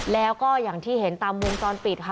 แล้วก็อย่างที่เห็นตามวงจรปิดค่ะ